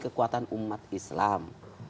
kekuatan umat islam